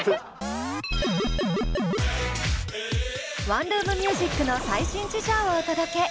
ワンルームミュージックの最新事情をお届け。